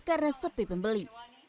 karena sepi pembeli